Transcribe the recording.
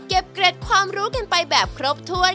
เกร็ดความรู้กันไปแบบครบถ้วน